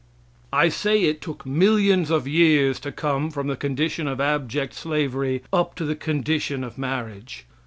I say it took millions of years to come from the condition of abject slavery up to the condition of marriage.